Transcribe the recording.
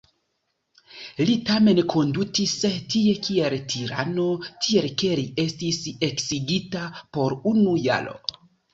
Li tamen kondutis tie kiel tirano, tiel ke li estis eksigita post unu jaro.